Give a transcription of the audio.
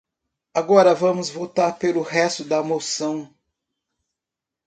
Agora vamos votar pelo resto da moção.